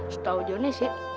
setau joni sih